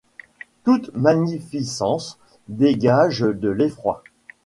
Toute magnificence dégage de l’effroi.